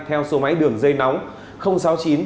theo số máy đường dây nóng